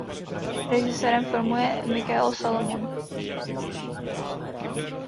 Režisérem filmu je Mikael Salomon.